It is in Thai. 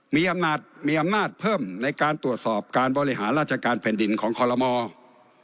มีอำนาจเพิ่มในการตรวจสอบการบริหารราชการแผ่นดินของคอลโลมอร์